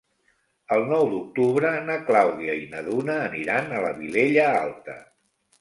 El nou d'octubre na Clàudia i na Duna aniran a la Vilella Alta.